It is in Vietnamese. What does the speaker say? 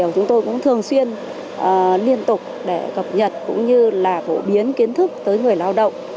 chúng tôi cũng thường xuyên liên tục để cập nhật cũng như là phổ biến kiến thức tới người lao động